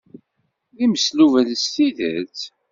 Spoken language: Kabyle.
D imesluben s tidet.